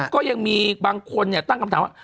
ก็ยังมีบางคนตั้งคำถามว่า